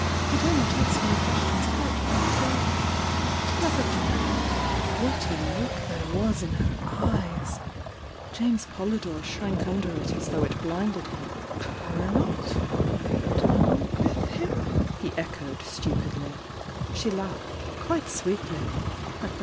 He dare not ask any questions about me — till — till I have done with him!" Whnt a look there was in her eyes! James Poly THE YOUNG DIANA 857 dore shrank under it as though it bUnded him. Dare not? Done with him?" he echoed stupidly bhe laughed, quite sweetly.